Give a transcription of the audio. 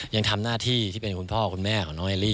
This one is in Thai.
ยังทำหน้าที่ที่เป็นคุณพ่อคุณแม่ของน้องเอลลี่